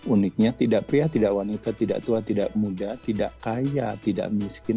uniknya tidak pria tidak wanita tidak tua tidak muda tidak kaya tidak miskin